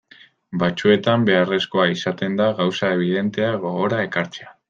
Batzuetan beharrezkoa izaten da gauza ebidenteak gogora ekartzea.